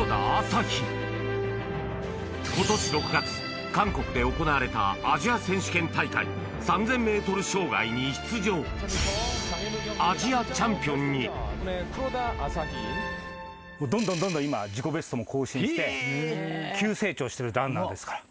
今年６月韓国で行われたアジア選手権大会３０００ｍ障害に出場アジアチャンピオンに・クロダアサヒ・どんどんどんどん今自己ベストも更新して急成長してるランナーですから。